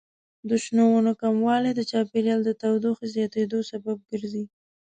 د شنو ونو کموالی د چاپیریال د تودوخې زیاتیدو سبب ګرځي.